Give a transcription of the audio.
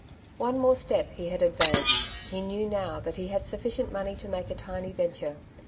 One more step he had advanced ; he knew now that he had sujficient money to make a tiny ven ture.